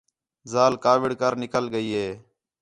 ذال کاوِڑ کر نِکل ڳئی ہِے